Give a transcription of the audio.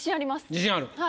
自信ある。